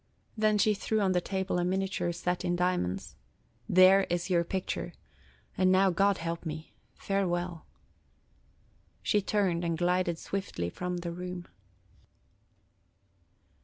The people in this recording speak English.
Then she threw on the table a miniature set in diamonds, "There is your picture. And now God help me! Farewell." She turned and glided swiftly from the room.